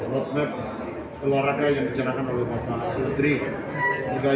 roadmap olahraga yang dicerahkan oleh bapak madaudri